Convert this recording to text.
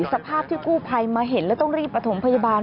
สภาพที่กู้ภัยมาเห็นแล้วต้องรีบประถมพยาบาล